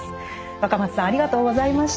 若松さんありがとうございました。